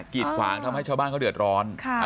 กิจขวางทำให้ชาวบ้านเขาเดือดร้อน